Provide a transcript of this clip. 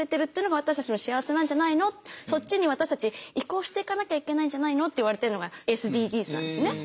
そっちに私たち移行していかなきゃいけないんじゃないの？っていわれてるのがＳＤＧｓなんですね。